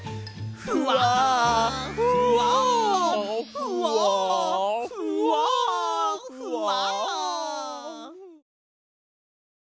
ふわふわふわふわ。